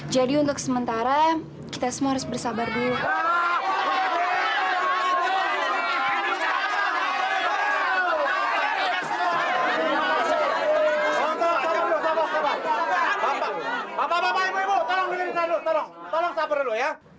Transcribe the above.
jadi untuk sementara kita semua harus bersabar dulu